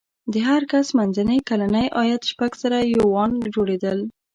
د هر کس منځنی کلنی عاید شپږ زره یوان جوړېدل.